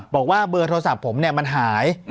บอกว่าเบอร์โทรศัพท์ผมมันหาย